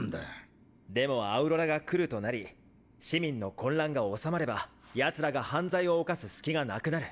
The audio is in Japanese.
でもアウロラが来るとなり市民の混乱が収まれば奴らが犯罪を犯す隙がなくなる。